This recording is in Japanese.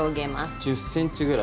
１０ｃｍぐらい。